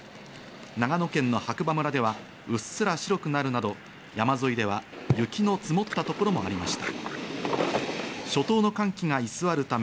長野県の白馬村ではうっすら白くなるなど山沿いでは雪の積もった所もありました。